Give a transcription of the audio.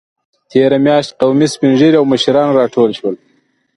تېره میاشت قومي سپینږیري او مشران راټول شول.